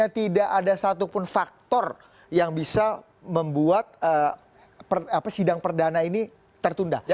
tidak ada satupun faktor yang bisa membuat sidang perdana ini tertunda